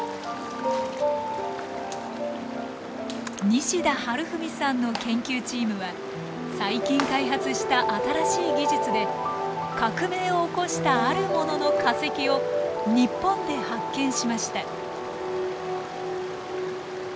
西田治文さんの研究チームは最近開発した新しい技術で革命を起こしたあるものの化石を日本で発見しました。